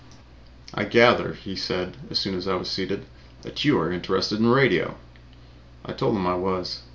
"I gather," he said as soon as I was seated, "that you are interested in radio." I told him I was.